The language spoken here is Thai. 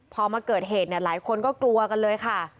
พอมาเกิดเหตุเนี่ยหลายคนก็กลัวกันเลยค่ะ